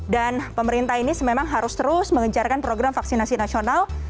dan pemerintah ini memang harus terus mengejarkan program vaksinasi nasional